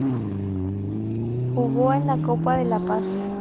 Jugó en la Copa de la Paz.